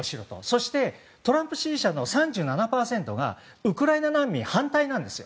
そしてトランプ支持者の３７％がウクライナ難民反対なんです。